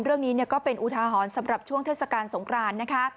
เรื่องนี้ก็เป็นอุทาหรณ์สำหรับช่วงเทศกาลสงครานนะคะ